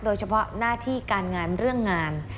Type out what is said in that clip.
โดยเฉพาะหน้าที่การงานเรื่องงาน